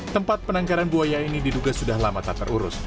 tempat penangkaran buaya ini diduga sudah lama tak terurus